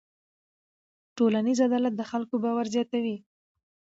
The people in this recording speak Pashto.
ټولنیز عدالت د خلکو باور زیاتوي.